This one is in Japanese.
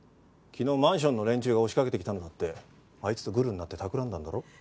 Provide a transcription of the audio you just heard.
昨日マンションの連中が押しかけてきたのだってあいつとグルになってたくらんだんだろ？